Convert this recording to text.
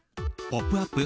「ポップＵＰ！」